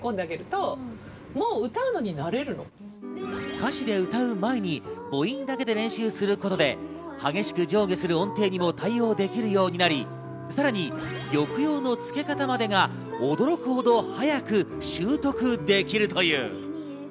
歌詞で歌う前に母音だけで練習することで、激しく上下する音程にも対応できるようになり、さらに抑揚のつけ方までもが驚くほど早く習得できるという。